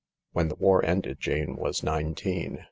When the war ended Jane was nineteen.